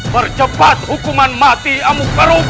bercepat hukuman mati amu karug